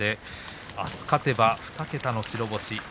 あす勝てば２桁の白星。